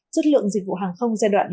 xuất lượng dịch vụ hàng không giai đoạn